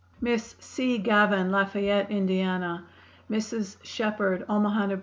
Miss C. Gavan, Lafayette, Ind.; Mrs. Shephard, Omaha, Neb.